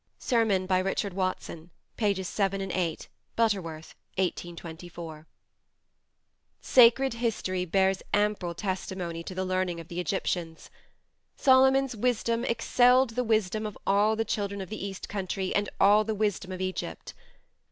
(Sermon by Richard Watson, pp. 7, 8, Butterworth, 1824.) Sacred history bears ample testimony to the learning of the Egyptians. "Solomon's wisdom excelled the wisdom of all the children of the East country and all the wisdom of Egypt."